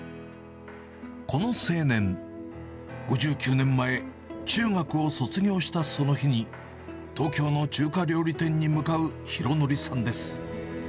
この青年、５９年前、中学を卒業したその日に、東京の中華料理店に向かう浩敬さんです。